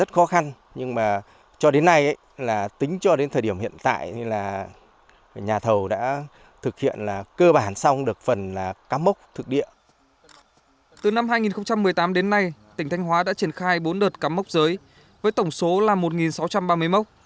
từ năm hai nghìn một mươi tám đến nay tỉnh thanh hóa đã triển khai bốn đợt cắm mốc giới với tổng số là một sáu trăm ba mươi mốc